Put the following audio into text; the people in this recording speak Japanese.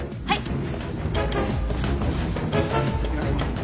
はい。